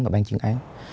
và bang chiến án